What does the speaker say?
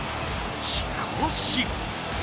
しかし。